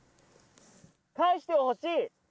返してほしい？